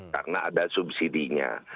karena ada subsidinya